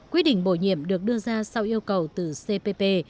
quyết định bổ nhiệm được đưa ra sau yêu cầu từ cpp